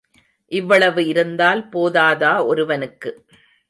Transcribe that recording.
இவ்வளவு இருந்தால் போதாதா ஒருவனுக்கு!